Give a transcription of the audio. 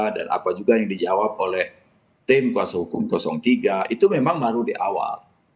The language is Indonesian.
dan apa juga yang dijawab oleh tim kuasa hukum tiga itu memang baru di awal